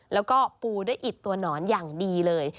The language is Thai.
แล้วก็ปูได้อิดตัวหนอนอย่างดีเลย